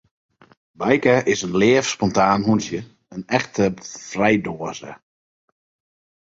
Bijke is in leaf, spontaan hûntsje, in echte frijdoaze.